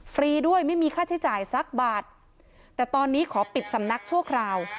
ด้วยไม่มีค่าใช้จ่ายสักบาทแต่ตอนนี้ขอปิดสำนักชั่วคราว